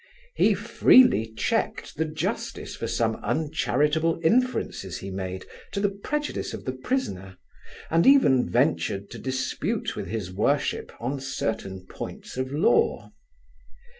He freely checked the justice for some uncharitable inferences he made to the prejudice of the prisoner, and even ventured to dispute with his worship on certain points of law.